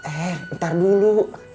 eh ntar dulu